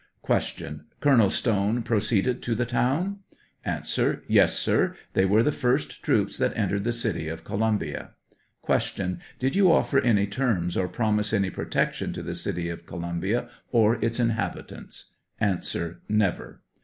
86 Q. Colonel Stone proceeded to the town ? A. Yes, sir; they were the first troops that entered the city of Columbia. Q. Did you offer any terms or promise any protec tion to the city of Columbia or its inhabitants? A. Never.